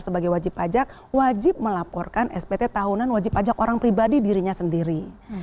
jadi bagi wajib pajak wajib melaporkan spt tahunan wajib pajak orang pribadi dirinya sendiri